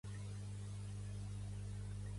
A coll de matxos.